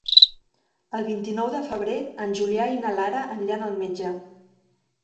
El vint-i-nou de febrer en Julià i na Lara aniran al metge.